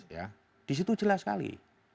ya disitu jelas sekali